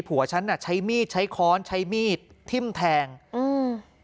ผัวฉันน่ะใช้มีดใช้ค้อนใช้มีดทิ้มแทงอืม